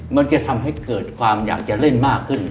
มันจะทำให้เกิดความอยากจะเล่นมากขึ้น